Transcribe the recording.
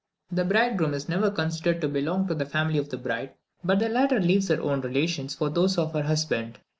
The bridegroom is never considered to belong to the family of the bride, but the latter leaves her own relations for those of her husband.